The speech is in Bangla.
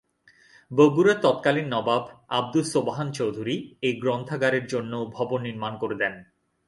বগুড়ার তৎকালীন নবাব আব্দুস সোবহান চৌধুরী এ গ্রন্থাগারের জন্য ভবন নির্মাণ করে দেন।